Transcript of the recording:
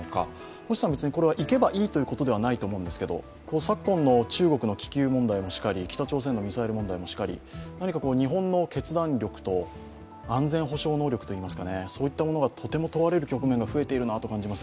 星さん、これは行けばいいということではないと思うんですけど昨今の中国の気球問題もしかり北朝鮮のミサイル問題しかり、何か日本の決断力と安全保障能力がとても問われる局面が増えているなと感じます。